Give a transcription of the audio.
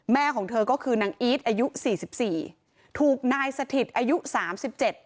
แม่ของเธอก็คือนางอีดอายุ๔๔บถูกนายสถิตอายุ๓๗บ